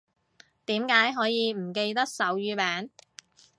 點解可以唔記得手語名